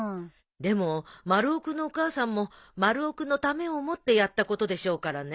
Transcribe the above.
でも丸尾君のお母さんも丸尾君のためを思ってやったことでしょうからね。